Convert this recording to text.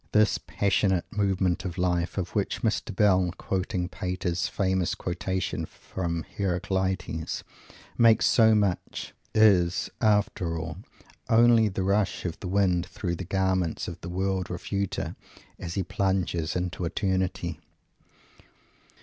This passionate "Movement of Life," of which Mr. Bell, quoting Pater's famous quotation from Heraclitus, makes so much, is, after all, only the rush of the wind through the garments of the World Denier, as he plunges into Eternity.